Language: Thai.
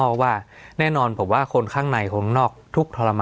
สวัสดีครับทุกผู้ชม